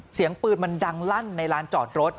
เสียงปืนมันดังลั่นในร้านจอดรถ